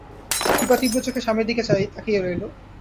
দিপা তীব্র চোখে স্বামীর দিকে তাকিয়ে রইল।